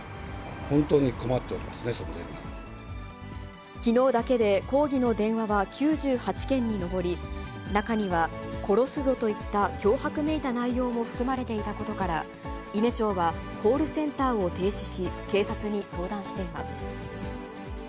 本当に困っておりますね、きのうだけで抗議の電話は９８件に上り、中には殺すぞといった脅迫めいた内容も含まれていたことから、伊根町は、コールセンターを停止し、警察に相談しています。